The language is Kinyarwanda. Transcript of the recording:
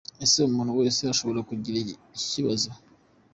Ese umuntu wese ashobora kugira iki kibazo?.